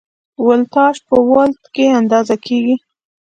ولتاژ په ولټ کې اندازه کېږي.